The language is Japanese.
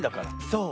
そう！